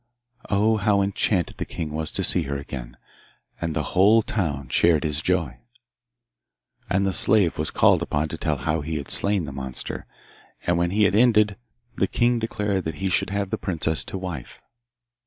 Oh, how enchanted the king was to see her again, and the whole town shared his joy! And the slave was called upon to tell how he had slain the monster, and when he had ended the king declared that he should have the princess to wife.